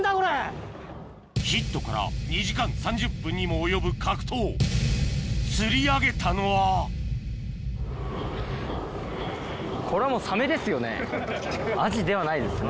ヒットから２時間３０分にも及ぶ格闘釣り上げたのはアジではないですね。